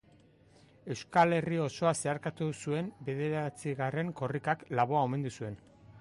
Euskal Herri osoa zeharkatu zuen bederatzigarren Korrikak Laboa omendu zuen